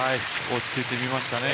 落ち着いて見ましたね。